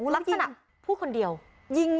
รักษณะผู้คนิดเดียวง่ายมาก